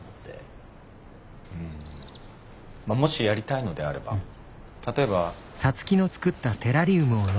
うんまあもしやりたいのであれば例えば。